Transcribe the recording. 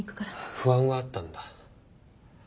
不安はあったんだ。